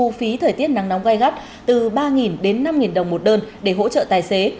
thu phí thời tiết nắng nóng gai gắt từ ba đến năm đồng một đơn để hỗ trợ tài xế